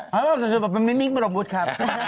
อ้าวสุดยอดเป็นมินิกส์บรมวุฒิครับ